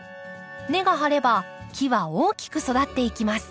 根が張れば木は大きく育っていきます。